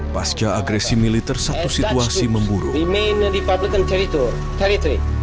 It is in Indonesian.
proklamasi kemerdekaan indonesia yang terjadi tujuh belas agustus seribu sembilan ratus empat puluh lima